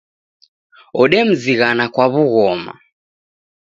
Odemzighana kwa w'ughoma